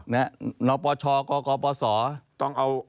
น้องป่าชอก่อก่อก่อป่าสอ